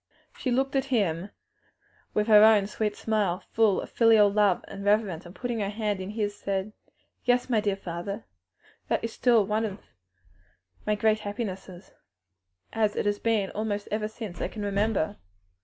She looked at him with her own sweet smile, full of filial love and reverence, and putting her hand in his, said, "Yes, my dear father, that is still one of my great happinesses, as it has been almost ever since I can remember.